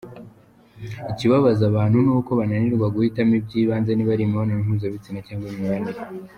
Ikibabaza abantu nuko bananirwa guhitamo ibyibanze niba ari imibonano mpuzabitsina cyangwa imibanire.